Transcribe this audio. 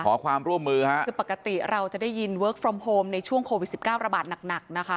ขอความร่วมมือค่ะคือปกติเราจะได้ยินเวิร์คฟรอมโฮมในช่วงโควิดสิบเก้าระบาดหนักหนักนะคะ